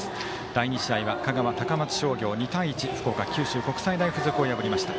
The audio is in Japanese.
第２試合は香川、高松商業２対１福岡、九州国際大付属を破りました。